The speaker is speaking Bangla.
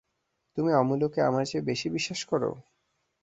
তুমি অমূল্যকে আমার চেয়ে বেশি বিশ্বাস কর?